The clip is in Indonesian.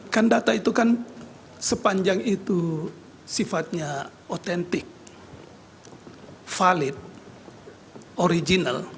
kan data itu kan sepanjang itu sifatnya otentik valid original